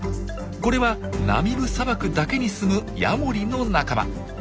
これはナミブ砂漠だけにすむヤモリの仲間。